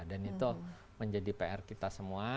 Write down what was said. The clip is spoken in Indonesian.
dan itu menjadi pr kita semua